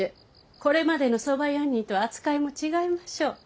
これまでの側用人とは扱いも違いましょう。